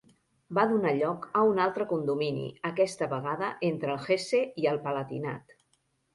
Va donar lloc a un altre condomini, aquesta vegada entre el Hesse i el Palatinat.